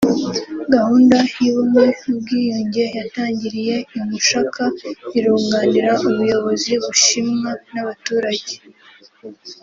Gahunda y’ubumwe n’ubwiyunge yatangiriye i Mushaka irunganira ubuyobozi bushimwa n’abaturage